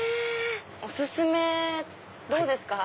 お薦めどうですか？